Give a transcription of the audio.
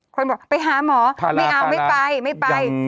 คุณบอกไปหาหมอไม่เอาไม่ไป